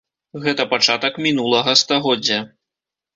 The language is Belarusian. Гэта пачатак мінулага стагоддзя.